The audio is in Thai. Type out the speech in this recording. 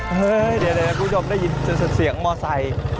เฮ้ยเดี๋ยวคุณผู้ชมได้ยินเสียงเสียงมอเตอร์ไซค์